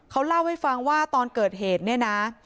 เขาเล่าให้ฟังว่าตอนเกิดเหตุเนี่ยนะ